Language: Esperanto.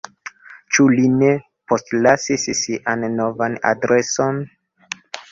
Ĉu li ne postlasis sian novan adreson?